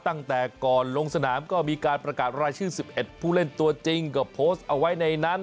ตั้งแต่ก่อนลงสนามก็มีการประกาศรายชื่อ๑๑ผู้เล่นตัวจริงก็โพสต์เอาไว้ในนั้น